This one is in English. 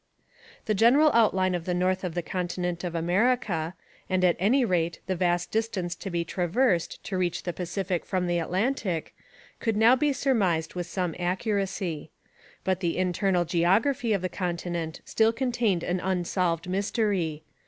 ] The general outline of the north of the continent of America, and at any rate the vast distance to be traversed to reach the Pacific from the Atlantic, could now be surmised with some accuracy. But the internal geography of the continent still contained an unsolved mystery.